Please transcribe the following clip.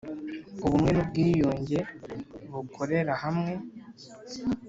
Ubumwe n’ ubwiyunge bukorera hamwe.